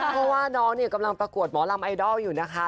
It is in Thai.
เพราะว่าน้องเนี่ยกำลังประกวดหมอลำไอดอลอยู่นะคะ